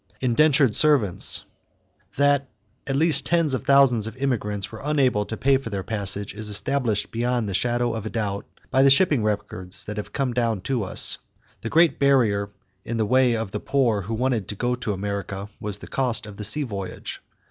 =Indentured Servants.= That at least tens of thousands of immigrants were unable to pay for their passage is established beyond the shadow of a doubt by the shipping records that have come down to us. The great barrier in the way of the poor who wanted to go to America was the cost of the sea voyage.